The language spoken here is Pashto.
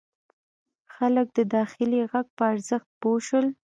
خلک د داخلي غږ په ارزښت پوه شول.